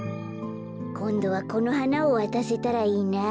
こんどはこのはなをわたせたらいいなあ。